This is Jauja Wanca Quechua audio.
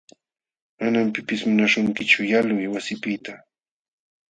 Manam pipis munaśhunkichu yalquy wasipiqta.